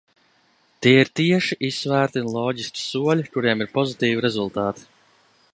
Tie ir tieši, izsvērti un loģiski soļi, kuriem ir pozitīvi rezultāti.